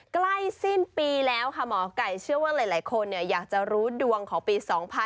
ใกล้สิ้นปีแล้วค่ะหมอไก่เชื่อว่าหลายคนอยากจะรู้ดวงของปี๒๕๖๒